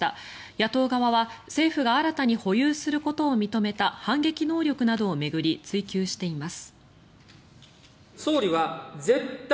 野党側は、政府が新たに保有することを認めた反撃能力などを巡り追及しています。